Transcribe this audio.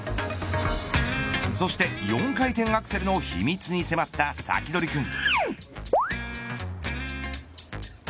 そして４回転アクセルの秘密に迫ったサキドリくん。